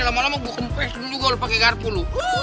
lama lama gue kempesin juga lo pake kartu lo